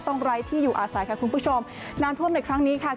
ไร้ที่อยู่อาศัยค่ะคุณผู้ชมน้ำท่วมในครั้งนี้ค่ะ